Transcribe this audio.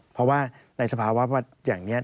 เพราะว่าในสภาวะอย่างนี้